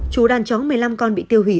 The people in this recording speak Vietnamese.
chú đàn chó một mươi năm con bị tiêu hủy